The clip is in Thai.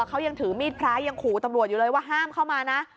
เขายังถือมีดพระยังขู่ตำรวจอยู่เลยว่าห้ามเข้ามานะ